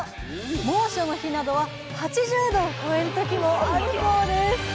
猛暑の日などは８０℃を超える時もあるそうです